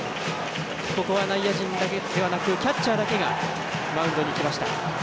ここは内野陣だけではなくキャッチャーだけがマウンドに来ました。